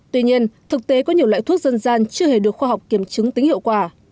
tuy nhiên thực tế có nhiều loại thuốc dân gian chưa hề được khoa học kiểm chứng tính hiệu quả